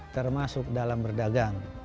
termasuk dalam berdagang